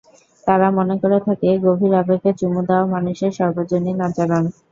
তারা মনে করে থাকে, গভীর আবেগে চুমু দেওয়া মানুষের সর্বজনীন আচরণ।